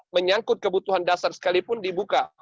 menyangkut kebutuhan dasar sekalipun dibuka